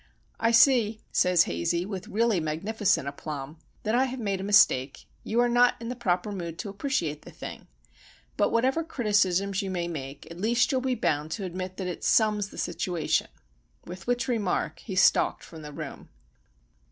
"I see," says Hazey, with really magnificent aplomb, "that I have made a mistake. You are not in the proper mood to appreciate the thing. But whatever other criticisms you may make, at least you'll be bound to admit that it Sums the Situation." With which remark he stalked from the room.